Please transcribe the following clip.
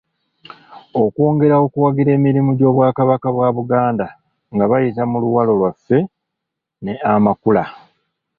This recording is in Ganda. Okwongera okuwagira emirimu gy'Obwakabaka bwa Buganda nga bayita mu ‘Luwalo Lwaffe' ne ‘Amakula.'